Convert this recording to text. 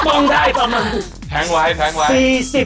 ปรองได้ประมาณ๔๐วินาที